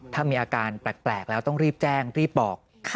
ถ้ามีอาการแปลกแล้วต้องรีบแจ้งรีบบอก